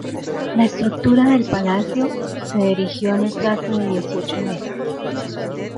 La estructura del palacio se erigió en el plazo de dieciocho meses.